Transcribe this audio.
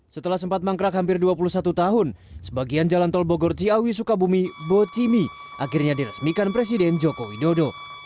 setelah sempat mangkrak hampir dua puluh satu tahun sebagian jalan tol bogor ciawi sukabumi bocimi akhirnya diresmikan presiden joko widodo